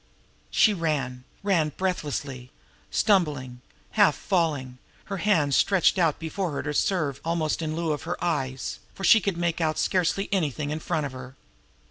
She ran ran breathlessly, stumbling, half falling, her hands stretched out before her to serve almost in lieu of eyes, for she could make out scarcely anything in front of her.